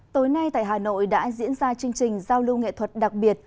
tối nay tại hà nội đã diễn ra chương trình giao lưu nghệ thuật đặc biệt